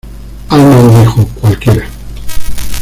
Altman dijo: Cualquiera.